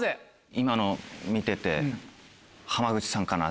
今のを見てて浜口さんかなって。